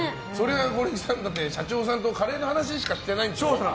小力さんは社長さんとカレーの話しかしてないんでしょ。